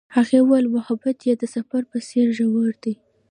هغې وویل محبت یې د سفر په څېر ژور دی.